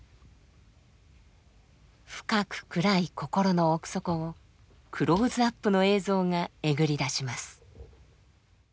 深く暗い心の奥底をクローズアップの映像がえぐり出します。